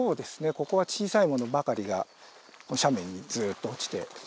ここは小さいものばかりが斜面にずっと落ちております。